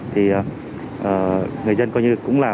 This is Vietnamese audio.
thì người dân coi như cũng là